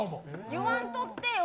言わんとってよ